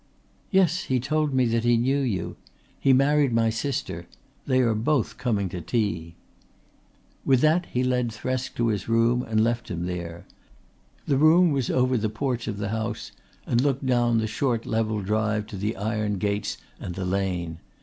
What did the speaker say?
"Yes, he told me that he knew you. He married my sister. They are both coming to tea." With that he led Thresk to his room and left him there. The room was over the porch of the house and looked down the short level drive to the iron gates and the lane.